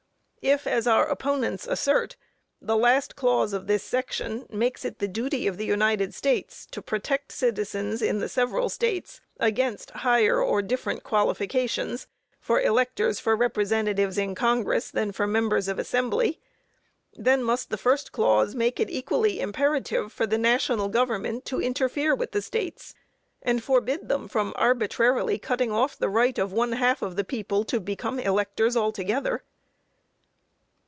If, as our opponents assert, the last clause of this section makes it the duty of the United States to protect citizens in the several States against higher or different qualifications for electors for representatives in Congress, than for members of Assembly, then must the first clause make it equally imperative for the national government to interfere with the States, and forbid them from arbitrarily cutting off the right of one half of the people to become electors altogether.